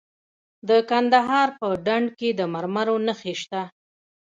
د کندهار په ډنډ کې د مرمرو نښې شته.